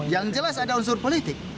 yang jelas ada unsur politik